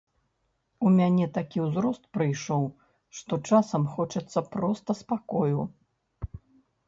У мяне такі ўзрост прыйшоў, што часам хочацца проста спакою.